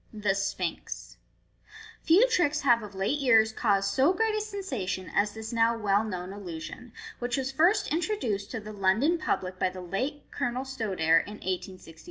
The Sphinx. — Few tricks have of late years caused so great a sensation as this now well known illusion, which was first introduced to the London public by the late Colonel Stodare, in 1865.